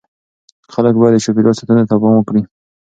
خلک باید د چاپیریال ساتنې ته پام وکړي.